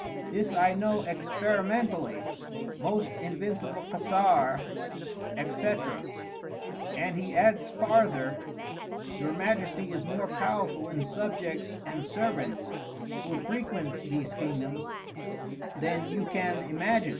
This I know experimentally, Most Invicible Casar, &c. And he adds farther, Your Majesty is more Powerful in Subjects and Servants, who frequent these Kingdoms, then you can imagin.